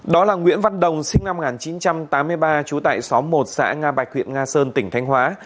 đó là nguyễn văn đồng sinh năm một nghìn chín trăm tám mươi ba trú tại xóm một xã nga bạch huyện nga sơn tỉnh thanh hóa